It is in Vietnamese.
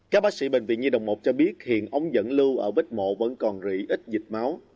các bác sĩ bệnh viện nhi đồng một cho biết hiện ống dẫn lưu ở vích mộ vẫn còn rỉ ít dịch máu